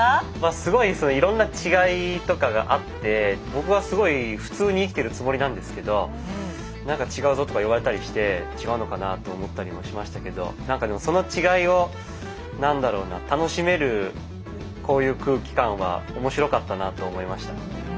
すごいいろんな違いとかがあって僕はすごい普通に生きてるつもりなんですけど「なんか違うぞ」とか言われたりして違うのかなと思ったりもしましたけどなんかでもその違いを何だろうな楽しめるこういう空気感は面白かったなと思いました。